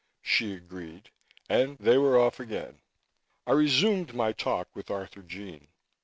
she agreed, and they were off again. I resumed my talk with Arthurjean.